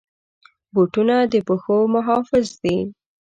بوټونه د پښو محافظ دي.